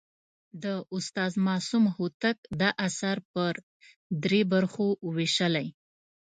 د استاد معصوم هوتک دا اثر پر درې برخو ویشلی.